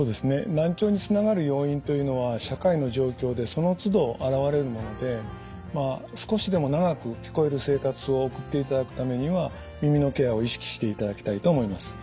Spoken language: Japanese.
難聴につながる要因というのは社会の状況でそのつど現れるものでまあ少しでも長く聞こえる生活を送っていただくためには耳のケアを意識していただきたいと思います。